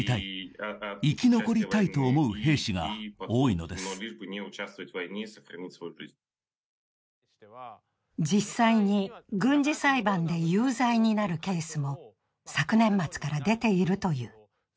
中でも増えているという相談が実際に、軍事裁判で有罪になるケースも昨年末から出ているという。